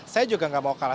saya juga tidak mau kalah